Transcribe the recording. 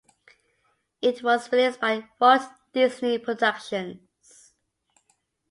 It was released by Walt Disney Productions.